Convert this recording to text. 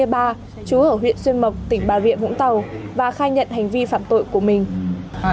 trú ở huyện xuyên mộc tỉnh bà rịa vũng tàu và khai nhận hành vi phạm tội của mình